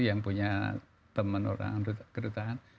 yang punya teman orang kedutaan